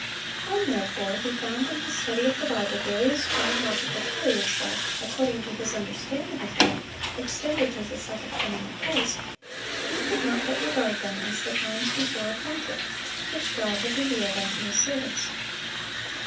(530) When, therefore, he found, in his study of the Bible, various chronological periods that, according to his understanding of them, extended to the second coming of Christ, he could not but regard them as the "times before appointed," which God had revealed unto His servants.